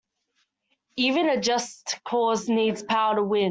Even a just cause needs power to win.